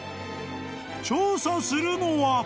［調査するのは］